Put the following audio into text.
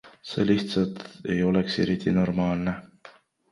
See lihtsalt ei oleks eriti normaalne!